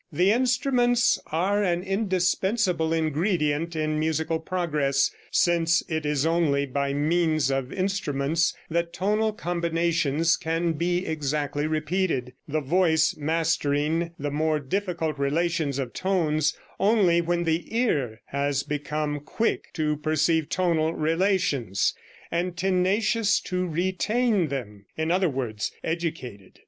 The instruments are an indispensable ingredient in musical progress, since it is only by means of instruments that tonal combinations can be exactly repeated, the voice mastering the more difficult relations of tones only when the ear has become quick to perceive tonal relations, and tenacious to retain them in other words, educated.